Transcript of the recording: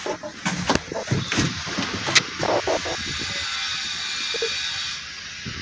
mwenzake Muhammadu Buhari Ni kwamba tangu uasi